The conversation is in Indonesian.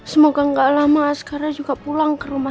semoga ga lama askara juga pulangkan